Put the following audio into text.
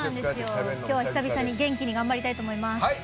きょうは久々に元気に頑張りたいと思います。